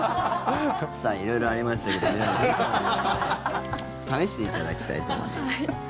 さあ、色々ありましたけど試していただきたいと思います。